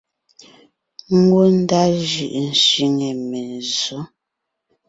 Ngwɔ́ ndá jʉʼʉ sẅiŋe menzsǒ.